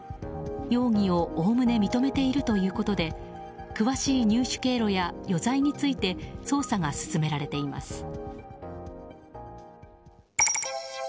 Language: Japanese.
容疑をおおむね認めているということで詳しい入手経路や余罪について捜査が進められています。